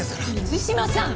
水島さん！